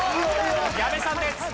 矢部さんです。